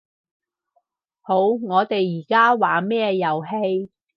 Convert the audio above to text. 好，我哋而家玩咩遊戲